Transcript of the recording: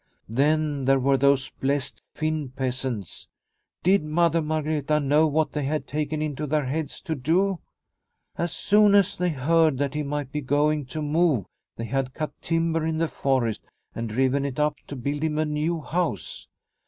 Then there were those blessed Finn peasants. Did Mother Margreta know what they had taken into their heads to do ? As soon as they heard that he might be going to move they had cut timber in the forest and driven it up to build him a new house.